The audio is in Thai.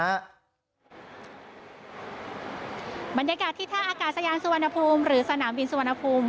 บรรยากาศที่ท่าอากาศยานสุวรรณภูมิหรือสนามบินสุวรรณภูมิ